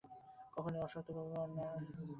কখনই অসতর্কভাবে অন্যের দানবীয় ক্ষেত্রে প্রবেশ করবে না।